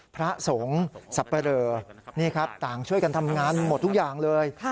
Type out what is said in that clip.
พระสงฆ์สับปะเรอนี่ครับต่างช่วยกันทำงานหมดทุกอย่างเลย